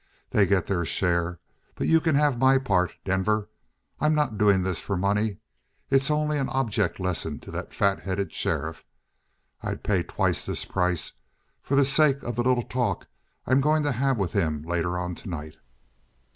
They get their share but you can have my part, Denver. I'm not doing this for money; it's only an object lesson to that fat headed sheriff. I'd pay twice this price for the sake of the little talk I'm going to have with him later on tonight."